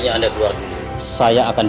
namun savings ku té pegang